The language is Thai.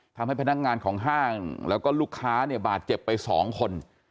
ทำให้พนักงานของห้างแล้วก็ลูกค้าเนี่ยบาดเจ็บไป๒คน